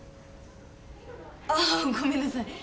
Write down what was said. あっごめんなさい！